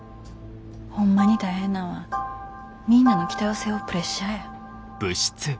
ホンマに大変なんはみんなの期待を背負うプレッシャーや。